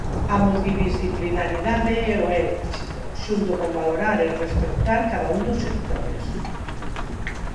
A multidisciplinariedade é o éxito, xunto con valorar e respectar cada un dos sectores.